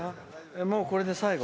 もうこれで最後？